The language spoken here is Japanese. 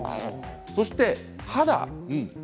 そして、肌。